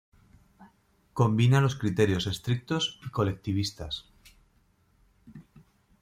Combina los criterios estrictos y colectivistas.